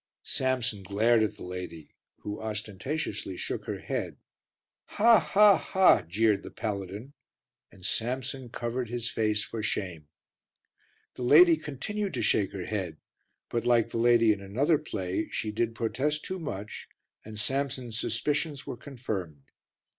Samson glared at the lady who ostentatiously shook her head. "Ha, ha, ha!" jeered the paladin, and Samson covered his face for shame. The lady continued to shake her head, but, like the lady in another play, she did protest too much and Samson's suspicions were confirmed.